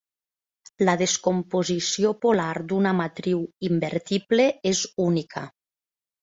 La descomposició polar d'una matriu invertible és única.